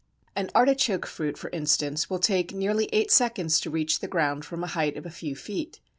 An Artichoke fruit, for instance, will take nearly eight seconds to reach the ground from a height of a few feet.